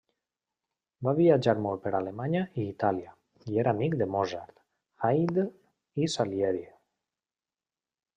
Va viatjar molt per Alemanya i Itàlia i era amic de Mozart, Haydn i Salieri.